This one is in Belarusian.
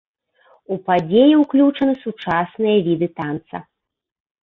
У падзею ўключаны сучасныя віды танца.